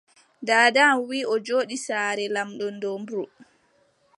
Daada am wii o jooɗi saare lamɗo Dumru,